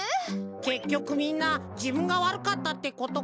けっきょくみんなじぶんがわるかったってことか。